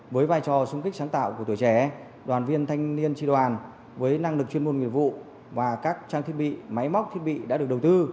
với vai trò sung kích sáng tạo của tuổi trẻ đoàn viên thanh niên tri đoàn với năng lực chuyên môn nghiệp vụ và các trang thiết bị máy móc thiết bị đã được đầu tư